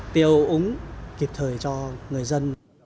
tiêu úng kịp thời cho người dân